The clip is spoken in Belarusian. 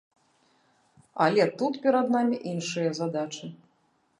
Але тут перад намі іншыя задачы.